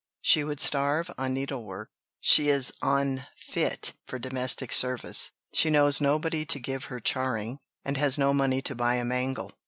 She would starve on needlework; she is unfit for domestic service; she knows nobody to give her charring, and has no money to buy a mangle.